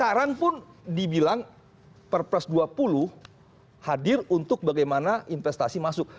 sekarang pun dibilang perpres dua puluh hadir untuk bagaimana investasi masuk